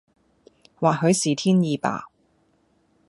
或許是天意吧！